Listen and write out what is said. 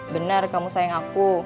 benar kamu sayang aku